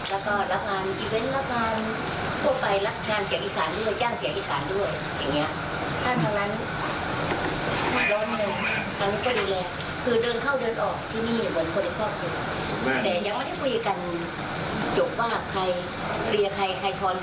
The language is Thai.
คุณแม่ยืนยังว่าคุณแม่ไม่ได้ไปขอยืนใช้หัวสอบใช่ไหมครับ